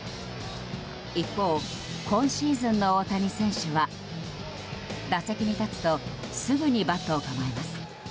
一方、今シーズンの大谷選手は打席に立つとすぐにバットを構えます。